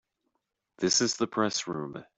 This is the Press Room.